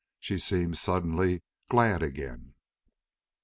She seemed suddenly glad again.